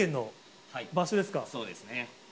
そうですね。